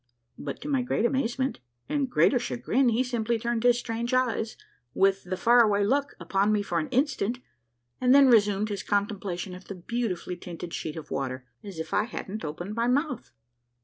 " but to my great amazement and greater chagrin he simply turned his strange eyes, with the faraway look, upon me for an instant, and then resumed his con templation of the beautifully tinted sheet of water, as if I hadn't opened my mouth.